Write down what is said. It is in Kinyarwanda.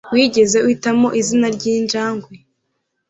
Wigeze uhitamo izina ryinjangwe?